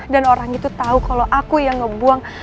dan orang itu tau kalau aku yang ngebuang